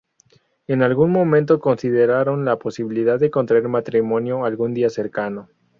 En algún momento consideraron la posibilidad de contraer matrimonio algún día cercano.